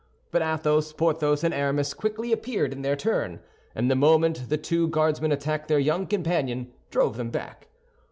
But Athos, Porthos, and Aramis quickly appeared in their turn, and the moment the two Guardsmen attacked their young companion, drove them back.